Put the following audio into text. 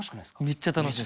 めっちゃ楽しい。